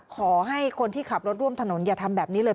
ขอให้คนที่ขับรถร่วมถนนอย่าทำแบบนี้เลย